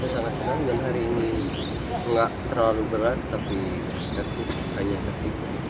saya sangat senang dan hari ini nggak terlalu berat tapi hanya tertipu